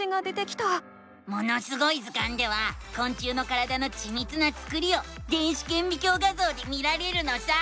「ものすごい図鑑」ではこん虫の体のちみつなつくりを電子けんびきょう画ぞうで見られるのさ！